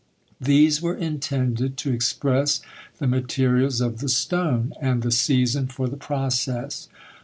These were intended to express the materials of the stone, and the season for the process.